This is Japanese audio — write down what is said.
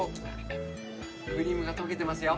クリームが溶けてますよ。